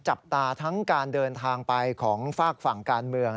จับตาทั้งการเดินทางไปของฝากฝั่งการเมือง